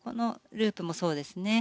ループもそうですね。